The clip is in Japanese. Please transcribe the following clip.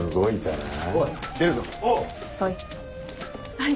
はい。